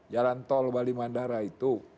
jalan tol bali mandara itu